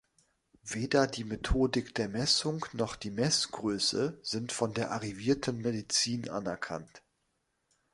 Weder die Methodik der Messung noch die Messgröße sind von der arrivierten Medizin anerkannt.